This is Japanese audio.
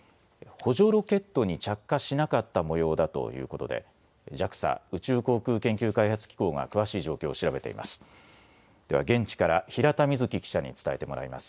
補助ロケットに着火しなかったもようだということでＪＡＸＡ・宇宙航空研究開発機構が詳しい状況を調べています。